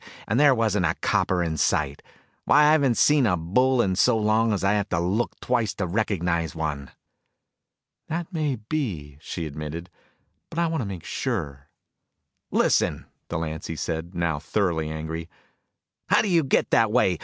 And there wasn't a copper in sight. Why, I haven't seen a bull in so long I'd have to look twice to recognize one." "That may be," she admitted, "but I want to make sure." "Listen," Delancy said, now thoroughly angry, "how do you get that way?